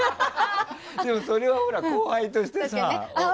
でも、それはほら後輩としてさ。